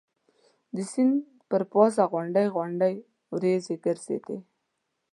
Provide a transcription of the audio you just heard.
د سیند پر پاسه غونډۍ غونډۍ وریځ ګرځېدې.